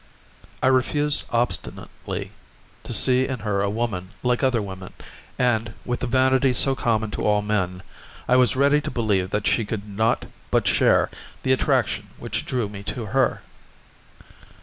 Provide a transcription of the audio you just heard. I refused obstinately to see in her a woman like other women, and, with the vanity so common to all men, I was ready to believe that she could not but share the attraction which drew me to her.